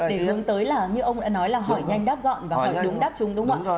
để hướng tới là như ông đã nói là hỏi nhanh đáp gọn và hỏi đúng đáp trúng đúng không ạ